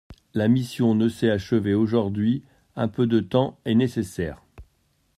La mission ne s’est achevée aujourd’hui ; un peu de temps est nécessaire.